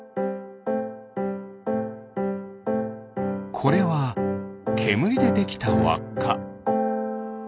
これはけむりでできたわっか。